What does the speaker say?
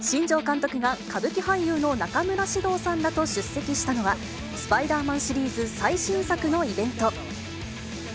新庄監督が、歌舞伎俳優の中村獅童さんらと出席したのは、スパイダーマンシリーズ最新作のイベント。